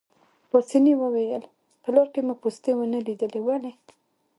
پاسیني وویل: په لاره کې مو پوستې ونه لیدې، ولې؟